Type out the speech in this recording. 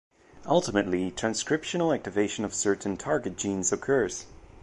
Ultimately, transcriptional activation of certain target genes occurs.